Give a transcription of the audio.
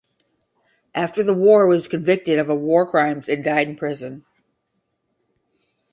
After the war was convicted of war crimes and died in prison.